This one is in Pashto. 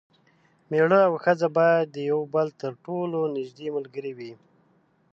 میړه او ښځه باید د یو بل تر ټولو نږدې ملګري وي.